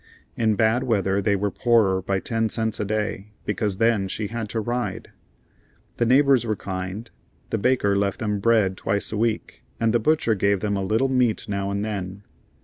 In bad weather they were poorer by ten cents a day, because then she had to ride. The neighbors were kind; the baker left them bread twice a week and the butcher gave them a little meat now and then.